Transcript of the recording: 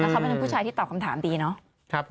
เขาเป็นผู้ชายที่ตอบคำถามดีเนาะ